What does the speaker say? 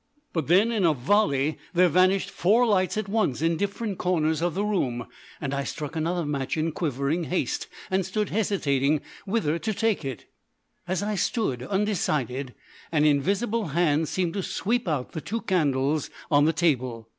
But then in a volley there vanished four lights at once in different corners of the room, and I struck another match in quivering haste, and stood hesitating whither to take it. As I stood undecided, an invisible hand seemed to sweep out the two candles on the table.